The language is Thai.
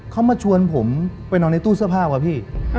เขามาชวนผมไปนอนในตู้เสื้อผ้าอะพี่